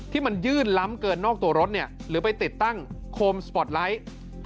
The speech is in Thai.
ที่มันยื่นล้ำเกินนอกตัวรถหรือไปติดตั้งโคมสปอร์ตไลท์